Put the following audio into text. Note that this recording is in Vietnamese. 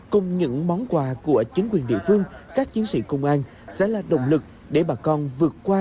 cùng những món quà của chính quyền địa phương các chiến sĩ công an sẽ là động lực để bà con vượt qua